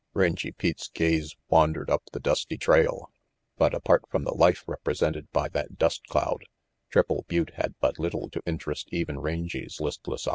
RANGY PETE Rangy Pete's gaze wandered up the dusty trail, but apart from the life represented by that dust cloud, Triple Butte had but little to interest even Rangy 's listless gaze.